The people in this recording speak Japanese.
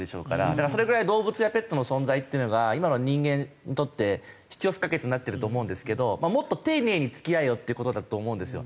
だからそれぐらい動物やペットの存在っていうのが今の人間にとって必要不可欠になってると思うんですけどもっと丁寧に付き合えよっていう事だと思うんですよ。